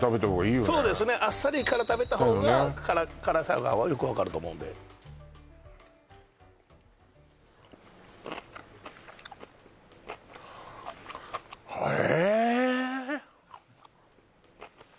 あっさりから食べた方が辛さがよく分かると思うんではえ